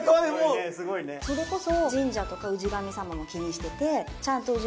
それこそ。